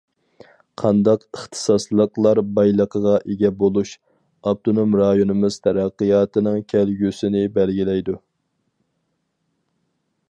قانداق ئىختىساسلىقلار بايلىقىغا ئىگە بولۇش، ئاپتونوم رايونىمىز تەرەققىياتىنىڭ كەلگۈسىنى بەلگىلەيدۇ.